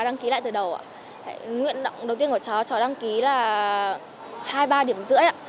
nguyện động đầu tiên của cháu cháu đăng ký là hai ba điểm rưỡi ạ